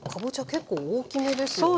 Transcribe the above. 結構大きめですよね。